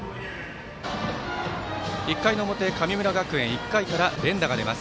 １回の表、神村学園１回から連打が出ます。